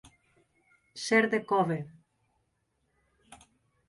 Ser de cove.